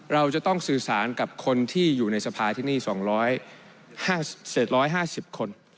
เราจะต้องสื่อสารกับคนที่อยู่ในสภาที่นี่๒๕๐คน